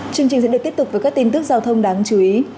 chương trình sẽ được tiếp tục với các tin tức giao thông đáng chú ý